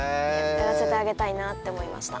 やらせてあげたいなって思いました。